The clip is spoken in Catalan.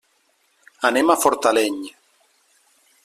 Anem a Fortaleny.